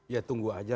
ya tunggu aja